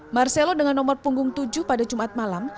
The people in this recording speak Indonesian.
marcelo dengan nomor punggung tujuh pada jumat malam